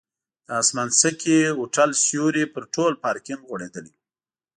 د اسمانځکي هوټل سیوری پر ټول پارکینک غوړېدلی و.